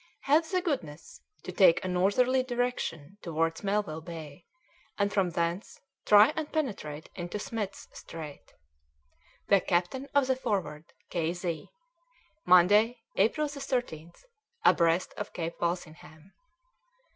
"Have the goodness to take a northerly direction towards Melville Bay, and from thence try and penetrate into Smith's Straits. "THE CAPTAIN OF THE Forward, "K. Z. "Monday, April 30th, "Abreast of Cape Walsingham."